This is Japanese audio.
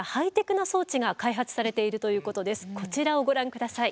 こちらをご覧下さい。